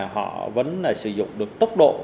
họ vẫn sử dụng được tốc độ